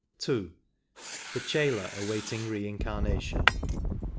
2. The Chela awaiting reincarnation.